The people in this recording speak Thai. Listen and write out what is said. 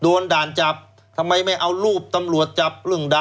โดนด่านจับทำไมไม่เอารูปโดนด่านจับ